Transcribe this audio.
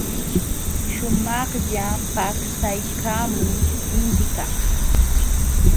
Shumaqlla paksaykaamun intikaq.